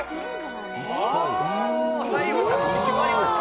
最後着地決まりました。